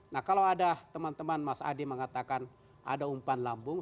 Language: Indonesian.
nah kalau ada teman teman mas adi mengatakan ada umpan lambung